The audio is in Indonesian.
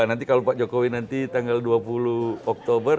nanti kalau pak jokowi nanti tanggal dua puluh oktober